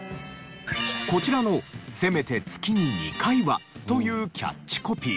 こちらのせめて月に２回は！というキャッチコピー。